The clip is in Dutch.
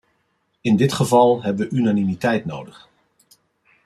In dit geval hebben we unanimiteit nodig.